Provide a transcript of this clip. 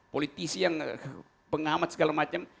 politisi yang pengamat segala macam